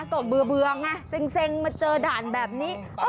ตกเบือเบืองเซ็งมาเจอด่านแบบนี้